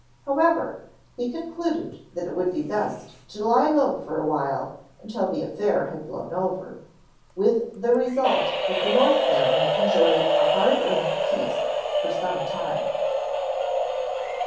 However, he concluded that it would be best to lie low for awhile until the affair had blown over, with the result that the North family enjoyed a hard earned peace for some time.